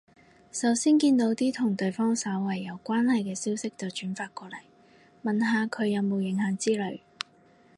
首先見到啲同對方稍為有關係嘅消息就轉發過嚟，問下佢有冇影響之類